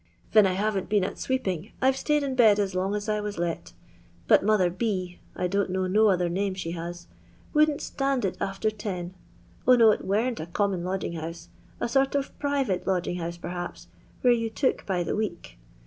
Ven I haven't been at sweeping, I 've staid in bed as long as I was let ; bot Mother B. — I don't know no other name she has — wouldn 't stand it after ten. 0 no, it wem't a common lodging house, a sort of private lodging house perhaps, where you took by the week.